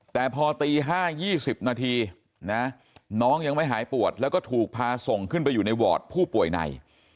แต่พอตี๕๒๐นาทีนะน้องยังไม่หายปวดแล้วก็ถูกพาส่งขึ้นไปอยู่ในวอร์ดผู้ป่วยใน